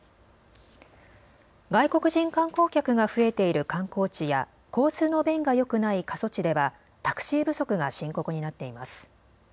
外国人観光客が増えている観光地や交通の便がよくない過疎地ではタクシー不足が深刻になっています。